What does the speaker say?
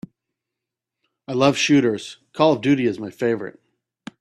I love shooters, Call of Duty is my favorite.